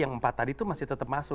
yang empat tadi itu masih tetap masuk